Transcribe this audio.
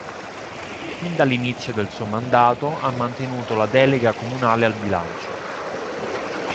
Fin dall'inizio del suo mandato ha mantenuto la delega comunale al bilancio.